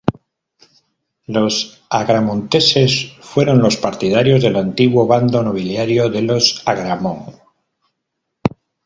Los agramonteses fueron los partidarios del antiguo bando nobiliario de los Agramont.